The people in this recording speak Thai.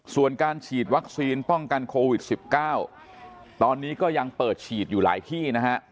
ส่วนการฉีดวัคซีนป้องกันโควิด๑๙ตอนนี้ก็ยังเปิดฉีดอยู่หลายที่นะฮะ